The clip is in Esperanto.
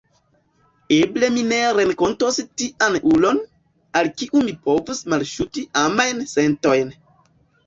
Eble mi ne renkontos tian ulon, al kiu mi povus malkaŝi amajn sentojn.